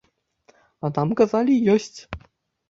А нам казалі, ёсць!